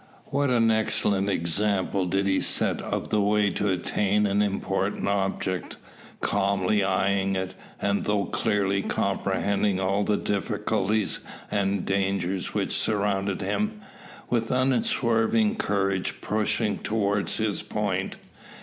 What an excellent example did he set of the way to attain an important object! Calmly eyeing it, and though clearly comprehending all the difficulties and dangers which surrounded him, with unswerving courage pushing towards his point.